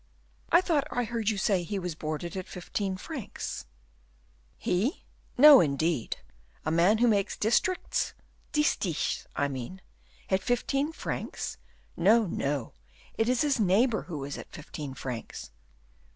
"I thought I heard you say he was boarded at fifteen francs." "He! no, indeed; a man who makes districts distichs I mean at fifteen francs! No, no! it is his neighbor who is at fifteen francs."